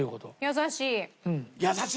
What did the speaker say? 優しい。